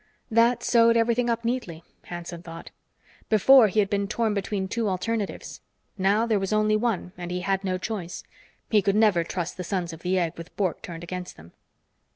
That sewed everything up neatly, Hanson thought. Before, he had been torn between two alternatives. Now there was only one and he had no choice; he could never trust the Sons of the Egg with Bork turned against them.